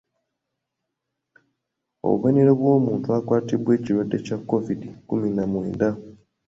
Obubonero bw’omuntu akwatiddwa ekirwadde kya Kovidi kkumi na mwenda.